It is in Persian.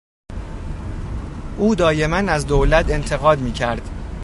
او دایما از دولت انتقاد میکرد.